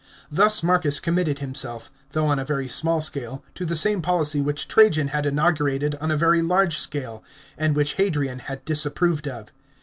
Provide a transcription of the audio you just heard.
Thus Marcus committed himself, though on a very small scale, to the same policy which Trajan had inaugurated on a very large scale, and which Hadrian had disapproved of.